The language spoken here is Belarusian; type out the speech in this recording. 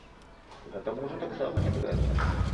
Гэта, можа, таксама не дрэнна.